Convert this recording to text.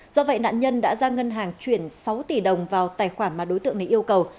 do vậy nạn nhân đã ra ngân hàng chuyển sáu tỷ đồng vào tài khoản mà đối tượng này yêu cầu